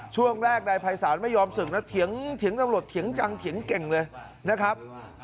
ช่วงแรกนายภัยศาลไม่ยอมศึกนะเถียงตำรวจเถียงจังเถียงเก่งเลยนะครับ